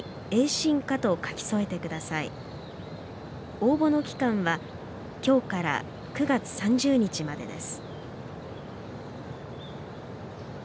応募の期間は今日から９月３０日までです。